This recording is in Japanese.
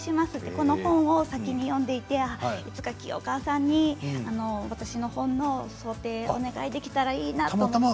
この本を先に読んでいていつか清川さんに私の本の装丁をお願いできたらいいなと思って。